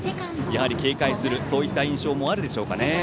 やはり警戒するといった印象もあるでしょうかね。